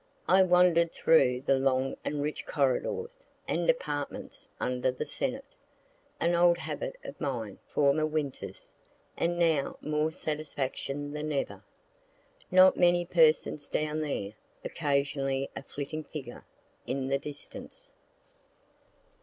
I wander'd through the long and rich corridors and apartments under the Senate; an old habit of mine, former winters, and now more satisfaction than ever. Not many persons down there, occasionally a flitting figure in the distance.